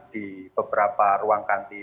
di beberapa ruang ganti